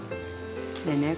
でね